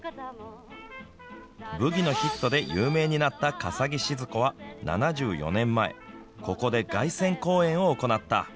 ブギのヒットで有名になった笠置シヅ子は７４年前ここで凱旋公演を行った。